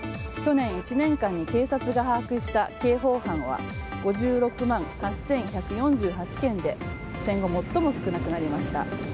去年１年間に警察が把握した刑法犯は５６万８１４８件で戦後最も少なくなりました。